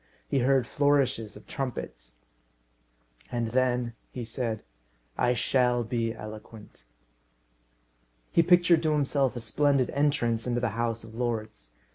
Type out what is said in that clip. He heard flourishes of trumpets. "And then," he said, "I shall be eloquent." He pictured to himself a splendid entrance into the House of Lords.